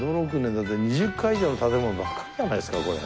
だって２０階以上の建物ばっかりじゃないですかこれ。